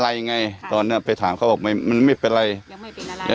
อะไรไงตอนเนี้ยไปถามเขาบอกไม่มันไม่เป็นไรยังไม่เป็นอะไร